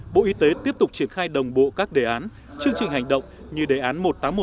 bộ y tế tiếp tục triển khai đồng bộ các đề án chương trình hành động như đề án một nghìn tám trăm một mươi sáu